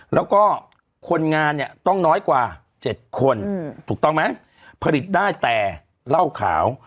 แล้วก็คนงานเนี่ยต้องน้อยกว่า๗คนถูกต้องไหมผลิตได้แต่เหล้าขาว